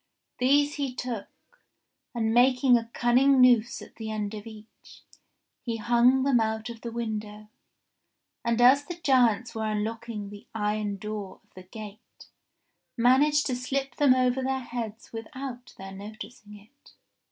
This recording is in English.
These he took, and making a cunning noose at the end of each, he hung them out of the window, and as the giants were unlocking the iron door of the gate managed to slip them over their heads without their noticing it.